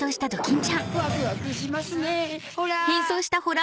ワクワクしますねぇホラ！